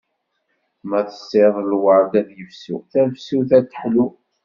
Ma tessiḍ lward ad yefsu, tafsut ad teḥlu.